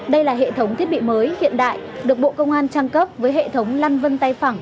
đây là hệ thống thiết bị mới hiện đại được bộ công an trang cấp với hệ thống lăn vân tay phẳng